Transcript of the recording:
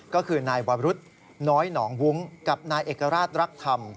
ก็คือนายวรุษน้อยหนองวุ้งกับนายเอกราชรักธรรม